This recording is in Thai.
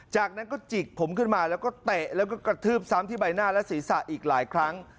จากนั้นก็จิกผมขึ้นมาแล้วก็เตะแล้วก็กระทืบซ้ำที่ใบหน้าและศีรษะอีกหลายครั้ง